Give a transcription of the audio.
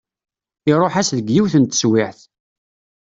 Iruḥ-as deg yiwet n teswiɛt.